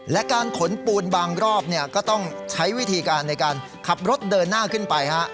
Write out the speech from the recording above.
และการขนปูนบางรอบก็ต้องใช้วิธีการในการขับรถเดินหน้าขึ้นไป